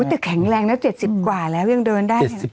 อู้ยติดแข็งแรงนะ๗๐กว่าแล้วยัง้นได้